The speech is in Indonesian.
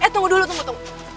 eh tunggu dulu tunggu tunggu